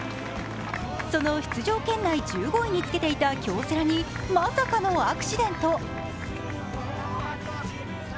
その出場圏内１５位につけていた京セラにまさかのアクシデント。